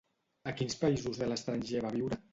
A quins països de l'estranger va viure?